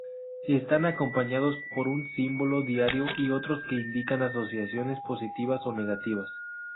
Están acompañados por un símbolo diario y otros que indican asociaciones positivas o negativas.